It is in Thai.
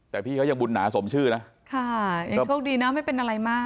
แต่พี่เขายังบุญหนาสมชื่อนะค่ะยังโชคดีนะไม่เป็นอะไรมาก